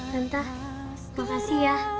tante makasih ya